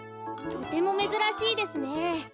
とてもめずらしいですね。